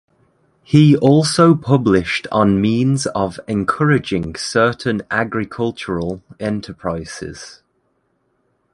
He also published on means of encouraging certain agricultural enterprises.